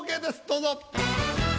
どうぞ。